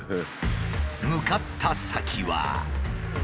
向かった先は。